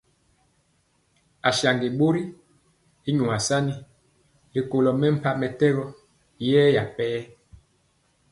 Asaŋgi bori y nyuasani ri kolo mempah mɛtɛgɔ yɛya per.